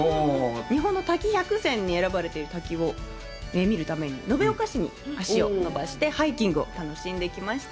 日本の滝百選に選ばれている滝を見るために延岡市に足を伸ばして、ハイキングを楽しんできました。